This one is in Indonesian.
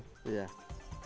jadi kita lihat